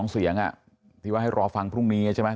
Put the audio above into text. ๒เสียงที่ว่าให้รอฟังพรุ่งนี้ใช่ไหม